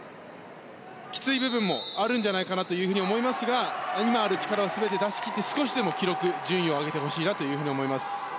きつい部分もあるんじゃないかなと思いますが今ある力を全て出し切って少しでも記録、順位を上げてほしいなと思います。